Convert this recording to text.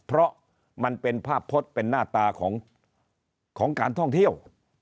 เพราะมันเป็นภาพพจน์เป็นหน้าตาของการท่องเที่ยว